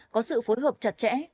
có sự phối hợp chặt chẽ